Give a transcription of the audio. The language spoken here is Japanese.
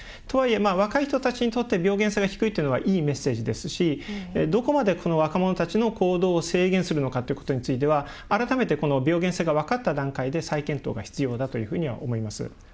とはいえ、若い人たちにとって病原性が低いというのがいいメッセージですしどこまで若者たちの行動を制限するのかについては改めて、病原性が分かった段階で再検討が必要だというふうには思います。